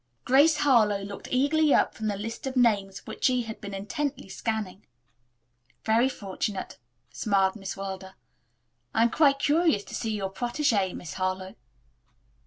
Grace Harlowe looked eagerly up from the list of names which she had been intently scanning. "Very fortunate," smiled Miss Wilder. "I am quite curious to see your protege, Miss Harlowe."